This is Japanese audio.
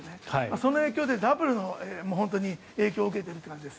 その影響でダブルの影響を受けているという感じです。